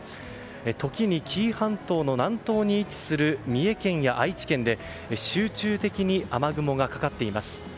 時に紀伊半島の南東に位置する三重県や愛知県で集中的に雨雲がかかっています。